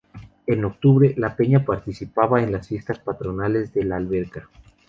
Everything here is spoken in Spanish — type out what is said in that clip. En octubre, la peña participa en las Fiestas Patronales de La Alberca.